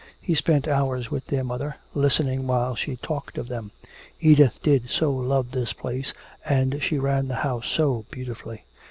He spent hours with their mother, listening while she talked of them. Edith did so love this place and she ran the house so beautifully.